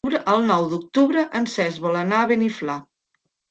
El nou d'octubre en Cesc vol anar a Beniflà.